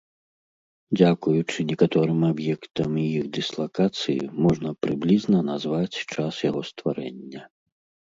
Дзякуючы некаторым аб'ектам і іх дыслакацыі можна прыблізна назваць час яго стварэння.